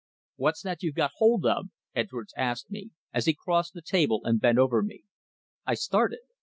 "What's that you've got hold of?" Edwards asked me, as he crossed to the table and bent over me. I started.